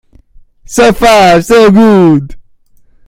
So far so good.